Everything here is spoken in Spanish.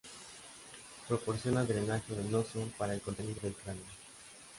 Proporciona drenaje venoso para el contenido del cráneo.